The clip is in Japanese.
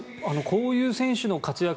こういう選手の活躍